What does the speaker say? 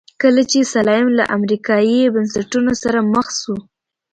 کله چې سلایم له امریکایي بنسټونو سره مخ شو.